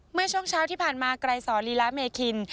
เมื่อช่วงเช้าที่ผ่านมาไกรสอนลีลาเมคิน